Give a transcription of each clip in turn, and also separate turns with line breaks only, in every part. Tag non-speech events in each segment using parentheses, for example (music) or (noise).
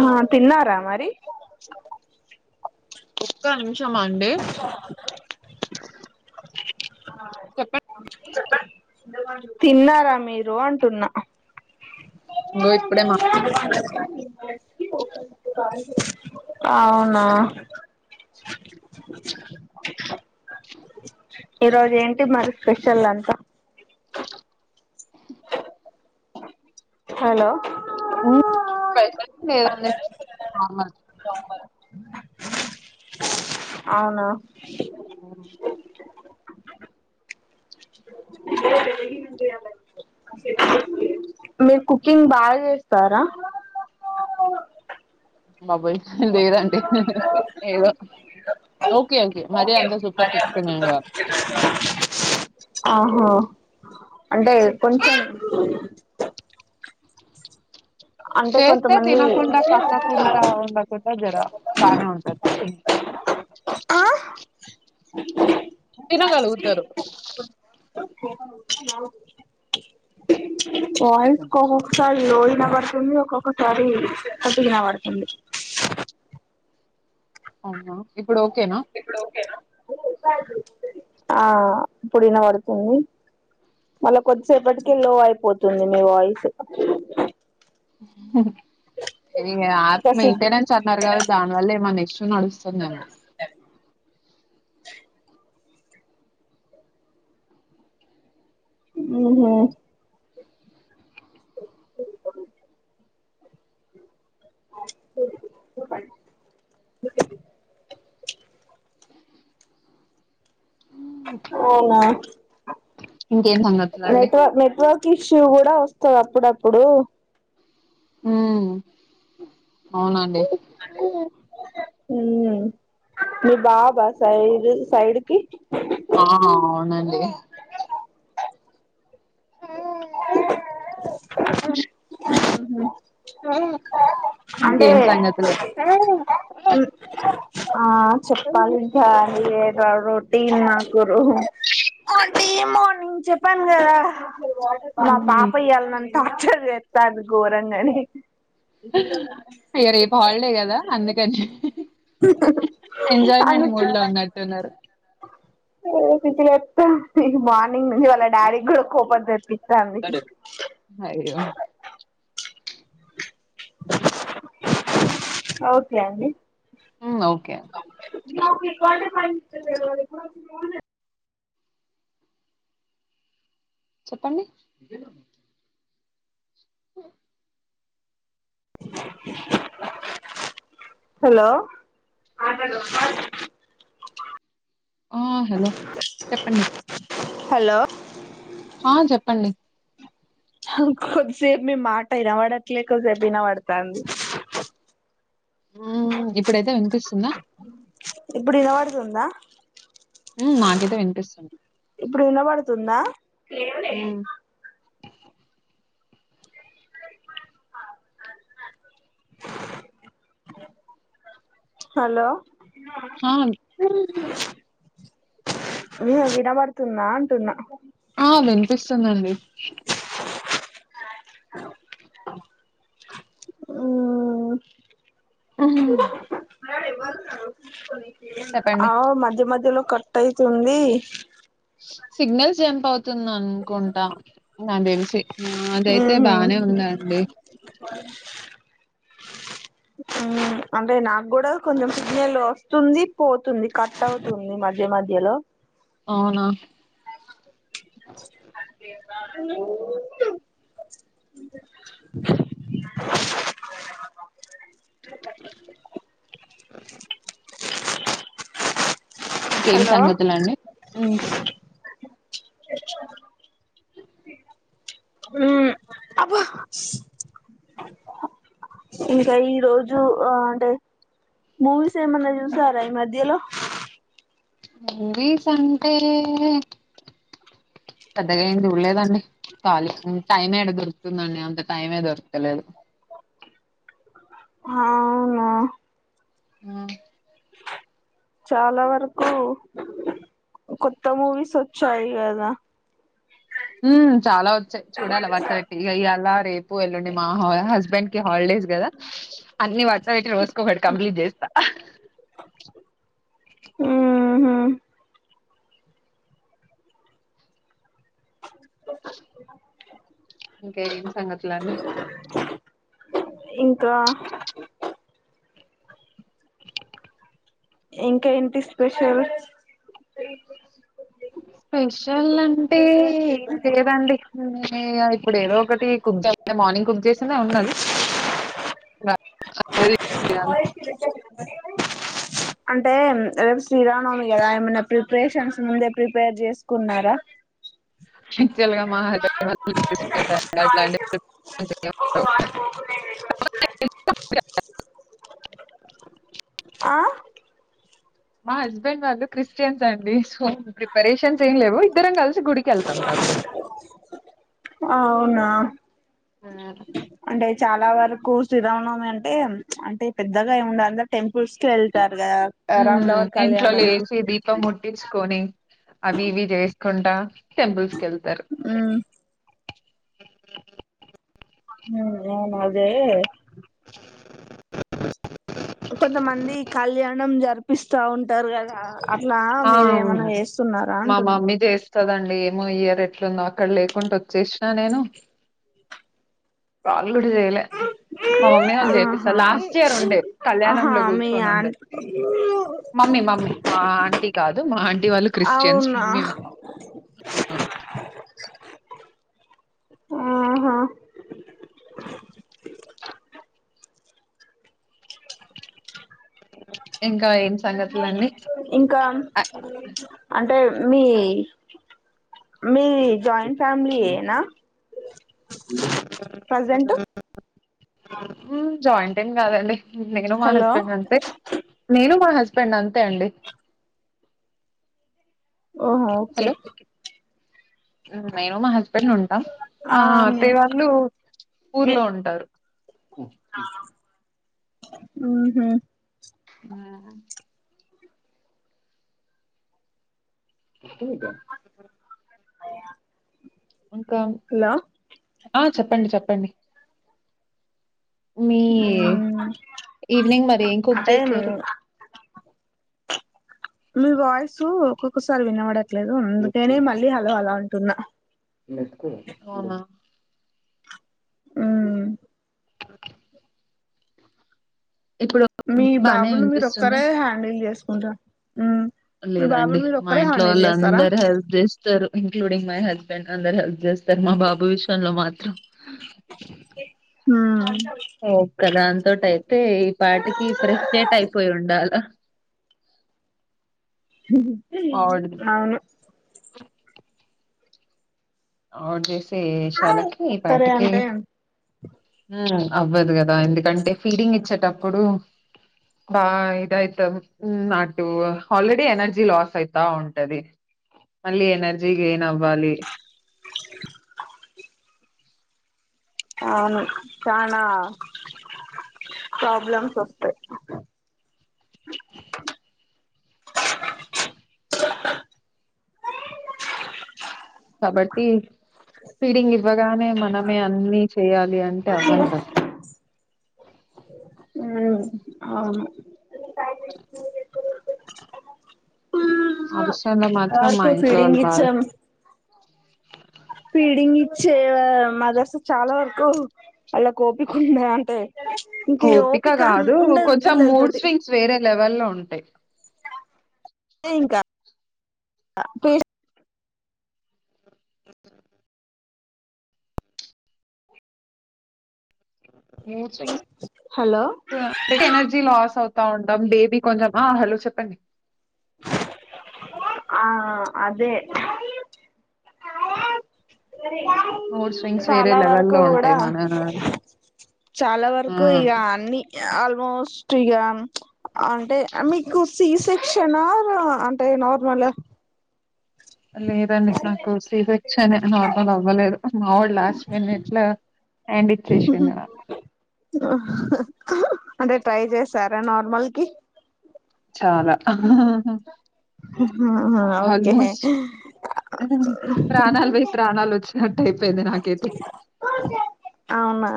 ఆ తిన్నారా మరి
ఒక్క నీ
నిక్ కవల్నా తిన్నారా మీరు అంటున్నా
ఇంగో ఇప్పుడే మా
అవునా ఈరోజు ఏంటి మరి స్పెషల్ వంటా హలో
లేదండి నార్మల్
బ (unintelligible) అవునా
ఉమ్
మీరు కుకింగ్ బాగా చేస్తారా
బాబోయ్ లేదండి ఏదో ఓకే ఓకే మరి అంతా సూపర్ కుక్న్నా
ఆహా అంటే కొంచెం హూ
చేస్తే
కొంతమంది
తినకుండా పక్కకుంట ఉండకుండా జర బాగానే ఉంటది
గూ
థినగాలుగితారు
అ (unintelligible) వాయిస్ కో ఒకాకసారి లో ఇనాబాడా ఉమ్ ఒక్కొక్కసారి పదుగిన పడుతుంది
అవునా ఇప్పుడు ఓకేనా
ఆ ఇపుడు వీనాపడుతుంది మళ్ళా కొద్దిసేపటికి లో అయిపోతుంది మీ వాయిస్
హు హు ఏ
ఇంకా
ఆత్మ
సిగ్గు
ఇతేడని అన్నారు కదా దానివల్ల ఏమో నెక్స్ట్ నడుస్తుందేమో
ఉహుమ్ చు అవునా
ఇంకేం సంగతులండి
నెట్వర్ నెట్వర్క్ ఇష్యూ కూడా వ స్థాధి అప్పుడప్పుడు
ఉమ్ అవునాండి
అండీ ఉమ్ మీ బాబా సైడ్ సైడ్కి
ఆ అవునండి
మ్మ్ హు అంటే
ఇంకేం సంగతులు
మ్ ఆ చెప్పాలి ఇంకా నీవే. అ రొటీన్ మా కురు చెప్పాను కదా మా
మ్
పాప ఇయ్యాల నన్ టార్చర్ చేత్తాంది ఘోరంగనే
ఇగ రేపు హాలిడే కదా అందుకని ఎంజాయ్మెంట్ మూడ్ లో ఉన్నట్టున్నారు
(unintelligible) నిన్నుంచి వాళ్ళ డాడీక్కూడా కోపం తెప్పిస్తాంది
అయ్యో!
ఓకే అండి
మ్మ్ ఓకే
(unintelligible)
చెప్పండి హ్
హలో
ఆ హలో చెప్పండి
హలో
ఆ చెప్పండి
కొద్దిసేపు మీ మాట వినపడట్లే కొద్దిసేపు ఇనపడతాంది
ఇప్పుడైతే వినిపిస్తుందా
ఇప్పుడు వినబడుతుందా
హుమ్ నాకైతే వినిపిస్తుంది
ఇప్పుడు వినబడుతుందా
హ్మ్.
హలో
ఆ!
వే వినబడుతుందా అంటున్నా
ఆ వినిపిస్తుందండి
మ్మ్
హుమ్
ఆవ్ మద్య మద్యలో కటైతుంది
సిగ్నల్స్ జంప్ అవ్ తుంద్ అనుకుంటా నా తెలిసి ఆ అదైతే
మ్మ్
బానే ఉందండి
ఆ అంటే నాకు కూడా కొంచెం సిగ్నల్ వస్తుంది పోతుంది కట్ అవుతుంది మధ్య మధ్యలో
అవునా
అ
ఇంకేం
హలో
సంగతులండి ఉమ్
మ్మ్ అబ్బ ఇంకా ఈ రోజు ఆ అంటే మూవీస్ ఏమన్నా చూసారా ఈ మాధ్యలో
మూవీస్ అంటే పెద్దగా ఏం చూడలేదండి ఖాలీ టైం ఏడ దొరుకుతుందండి అంత టైమే దొరుక్తలేదు
హ‌ అవునా
ఉమ్
చాలా వరకు కొత్త మూవీస్ వచ్చాయి కదా
ఉమ్ చాలా వచ్చాయి చూడాల వరస పెట్టి ఇక ఇయ్యాల రేపు పు ఎల్లుండి మా హా హస్బెండ్ కి హాలిడేస్ కదా అన్ని వరస పెట్టి రోజుకొకటి కంప్లీట్ చేస్తా
ఊహు
ఇంకేం సంగతులండి
ఇంకా ఇంకేంటి స్పెషల్
స్పెషల్ అంటే ఏం లేదండి నేనే ఇగ ఇప్పుడు ఏదో ఒకటి కుక్ చే (unintelligible) మార్నింగ్ కుక్ చేసిందే ఉన్నది (unintelligible)
స అంటే రేపు శ్రీరామనవమి కదా ఏమైనా ప్రిపరేషన్స్ ముందే ప్రిపేర్ చేసుకున్నారా
యాక్చువల్గా మా హస్బెండ్ వాళ్ళు (unintelligible) స
ఆ
మా హస్బెండ్ వాళ్ళు క్రిస్టియన్స్ అండి సో ప్రిపరేషన్స్ ఏం లెవ్వు ఇద్దరం కలిసి గుడికెళ్తాం కాకపోతే
ఆ అంటే చాలా వర్ కు శ్రీ రామనవమి అంటే అంటే పెద్దగా ఏం ఉండ అందరు టెంపుల్స్ కి వెళ్తా
ఉమ్ ఇంట్లో లేచి దీపం ముట్టిచ్చుకోని అవి ఇవి చేసుకుంటా టెంపుల్స్ కెళ్తారు
ఉమ్ అవును (inaudible) జే కొంతమంది కళ్యాణం జరిపిస్తా ఉంటారు కదా అట్లా
ఆ
మీరేమన్నా ఏస్తున్నారా అంటున్నా
తదండి ఏమో ఇయర్ ఎట్లుందో అక్కడ లేకుంటొచ్చేసినా నేను వాళ్ కూడ చెయ్ లే మా మమ్మీ వాళ్ళు చేపిస్తారు
ఆహా
లాస్ట్ ఇయర్ ఉండే
ఆహా
కళ్యాణంలో
మీ ఆన్
కూర్చోనుండే మమ్మీ మమ్మీ మా ఆంటీ కాదు మా ఆంటి వాళ్ళు క్రిస్టియన్స్,
అవునా
మేము. ఉ
ఆహా
ఇంకా ఏం సంగతులండి
ఇంకా, అంటే. మీ. మీ జాయింట్ ఫ్యామిలీయేన, ప్రజెంటు.
జాయింటెన్ కాదండి. నేను మా హస్బెండ్ అంతే, నేను మా హస్. తనఅంతే అండి.
ఓహా ఓకే.
హలో నేను మా హస్బెండ్ ఉంటాం,
ఆ
మా
మీ
అత్తయ్య వాళ్ళు, ఊర్లో ఉంటారు.
(inaudible) ఊహు.
(unintelligible) వూకె.
(inaudible)
ఇంకెన్.
హలో
చెప్పండి, చెప్పండి. మీ,
ఉమ్
ఈవినింగ్ మరి ఏం కుక్
అంటే
చేస్తారు.
మీ వాయస్సు ఒక్కొక్కసారి వినబద్. చేలేదు అందుకేనే మళ్ళీ హలో హలో అ. తిన్న.
అవునా.
అవునా.
(inaudible) ఇప్పుడు
మీ
బాగానే
బాబును మీరు
వినిపిస్తుందా,
ఒక్కరే హ్యాండిల్ చేసుకుంటా ఉమ్ మీ
లేదండి
బాబుని మీరు
మా
ఒక్కరే
ఇంట్లో
హ్యాండిల్
వాళ్ళు
చేస్తారా
అందరు హెల్ప్ చేస్తారు ఇంక్లూడింగ్. మై హస్బెండ్ అందరు హెల్ప్ చేస్తారు మా బాబు విషయంలో మాత్రం.
ఉమ్.
ఒక్క దానతో టైతే, ఈ పాటికి ఫ్రెస్టేట్ అయిపోయి ఉండాల.
అవును.
On this. ఏ శాలకి ఈ
ఒక్కరే
పాటికి.
అంటే
ఉమ్ అవ్వదు గదా ఎందుకంటే ఫీడింగ్ ఇచ్చేటప్పుడు, బా ఇదయితమ్ ఉమ్ అటు ఆల్రెడీ ఎనర్జీ లాస్ అయితా ఉంటది, మళ్ళీ ఎనర్జీ గెన్ అవ్వాలి.
అవును చానా ప్రాబ్లమ్స్ వస్తాయి
(unintelligible) కాబట్టి సీడింగ్ ఇవ్వగానే మనమే అన్ని చేయాలి అంటే అవ్వంటారు
ఉమ్ అవును
(unintelligible) ఆ విష్ లో మాత్రం మా
వరకు
ఇంట్లో
ఫీడింగ్
వాళ్లు బాగా
ఇచ్చాం పీడింగ్ ఇచ్చే మా దస చాలా వరకు అలా కోపికుండె అంటే ఇంక ఈ
ఓపిక కాదు
ఉండదు
కొంచెం మూడ్
పిల్లలతోటి
స్వింగ్స్ వేరే లెవెల్ లో ఉంటాయి
అ హలో
ఎనర్జీ లాస్ అవు గా ఉంటాం బేబీ కొంచెం ఆ హలో చెప్పండి
ఆ అదే
మూడ్ స్వింగ్స్ వేరే
చాలా వరకు
లెవెల్లో
కూడా
ఉంటాయి మన
చాలా
ఆ
వరకు ఇక అన్నిీ ఆల్మోస్ట్ ఇక అంటే మీకు సి సెక్షన్ అంటే నార్మల్ ఆ
లేదండి నాకు సి సరె నార్మల్ అవ్వలేదు మావాడు లాస్ట్ మినిట్లా హ్యాండ్ ఇచ్చేసింది నాకు
అంటే ట్రై చేశారా నార్మల్ కి
చాలా అ హ్మ్మ్
ఓకే
ఆల్మోస్ట్ ప్రాణాలు బయి ప్రాణాలు వచ్చ అయిపోయింది నాకైతే
అవునా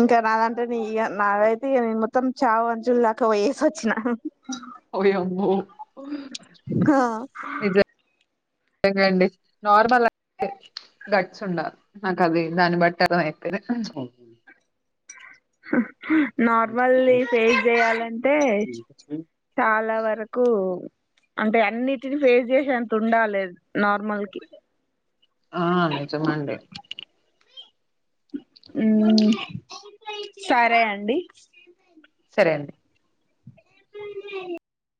ఇంకా నాదంటే న ఇక నాకైతే ఇ నేను మొత్తం చావు అంచులు దాకా పోయేసి వచ్చిన
ఒయమ్మో
హా
ండి నార్మల్ అతే గట్స్ ఉండాలి నాకు అది దాన్ని బట్టి అర్దం అయితే
హ్మ్మ్ నార్మల్లిిి ఫేస్ చేయాలంటే చాలా వరకు అంటే అన్నిటిని ఫేస్ చేసేంత ఉండాలేద్ నార్మల్ కి
ఆ నిచమండి
మ్ సరే అండి
అండి
(unintelligible)